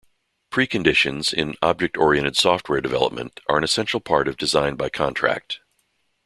Preconditions in object-oriented software development are an essential part of design by contract.